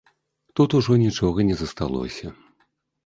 Тут ужо нічога не засталося.